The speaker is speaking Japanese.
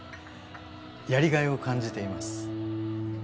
やりがいを感じています。